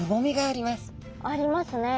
ありますね。